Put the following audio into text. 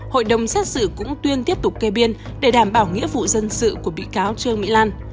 hội đồng xét xử cũng tuyên tiếp tục kê biên để đảm bảo nghĩa vụ dân sự của bị cáo trương mỹ lan